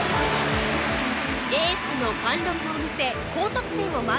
エースの貫禄を見せ高得点をマーク。